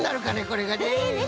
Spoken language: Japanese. これがね。